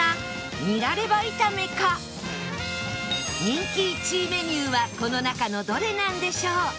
人気１位メニューはこの中のどれなんでしょう？